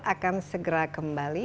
akan segera kembali